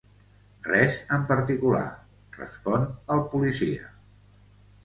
"Res en particular", respon el policia.